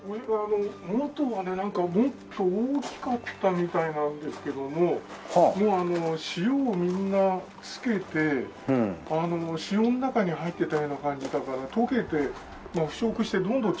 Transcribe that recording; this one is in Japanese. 元はねなんかもっと大きかったみたいなんですけどももうあの塩をみんなつけて塩の中に入ってたような感じだから溶けて腐食してどんどん小さくなっちゃって。